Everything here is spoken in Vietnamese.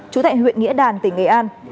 chú tại huyện nghĩa đàn tỉnh nghệ an